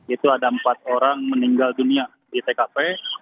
itu ada empat orang meninggal dunia di tkp